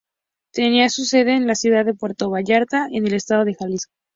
Tenía su sede en la ciudad de Puerto Vallarta en el estado de Jalisco.